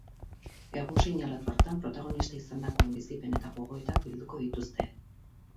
Egun seinalatu hartan protagonista izandakoen bizipen eta gogoetak bilduko dituzte.